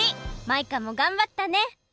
マイカもがんばったね！